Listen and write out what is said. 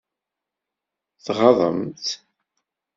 Tɣaḍem-tt?